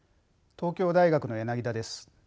東京大学の柳田です。